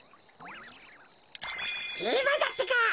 いまだってか。